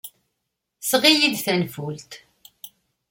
Seɣ-iyi-d tanfult.